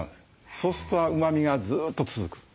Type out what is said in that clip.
そうするとうまみがずっと続く。